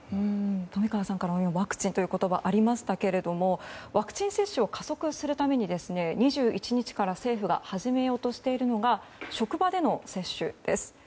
富川さんからもワクチンという言葉がありましたがワクチン接種を加速するために２１日から政府が始めようとしているのが職場での接種です。